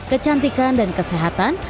kecantikan dan kesehatan